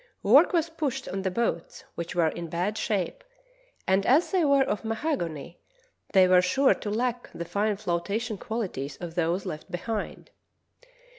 Work was pushed on the boats, which were in bad shape, and as they were of mahogany they were sure to lack the fine flotation qualities of those left behind.